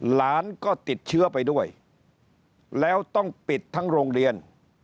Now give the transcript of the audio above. หลานก็ติดเชื้อไปด้วยแล้วต้องปิดทั้งโรงเรียน